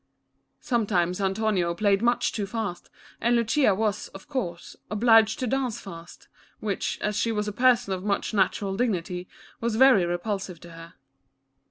Sometimes Antonio played much too fast, and Lucia was, of course, obliged to dance fast, which, as she was a person of much natural dignity, was very repulsive to her.